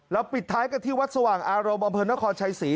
ปิดท้ายกันที่วัดสว่างอารมณ์อำเภอนครชัยศรี